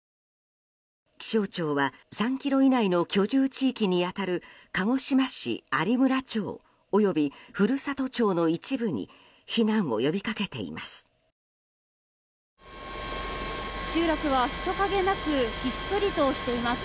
気象庁は３ｋｍ以内の居住地域に当たる鹿児島市有村町及び、古里町の一部に避難を呼びかけています。